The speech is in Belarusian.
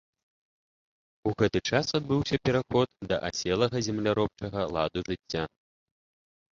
У гэты час адбыўся пераход да аселага земляробчага ладу жыцця.